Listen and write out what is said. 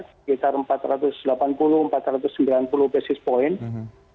sekitar empat ratus delapan puluh empat ratus sembilan puluh basis point